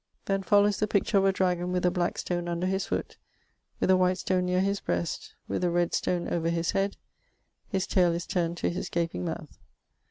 [Then followes the picture of a dragon with a black stone under his foot, with a white stone neare his breast, with a red stone over his head: his tayle is turned to his gapeing mouth.